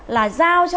là giao cho